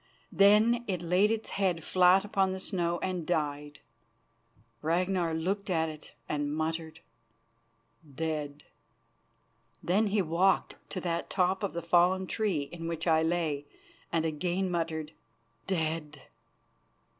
Then it laid its head flat upon the snow and died. Ragnar looked at it and muttered: "Dead!" Then he walked to that top of the fallen tree in which I lay, and again muttered: "Dead!